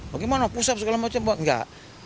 bagaimana push up segala macam enggak